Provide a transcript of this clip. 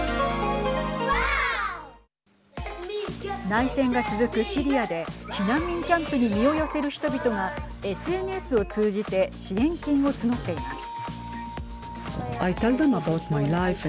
内戦が続くシリアで避難民キャンプに身を寄せる人々がＳＮＳを通じて支援金を募っています。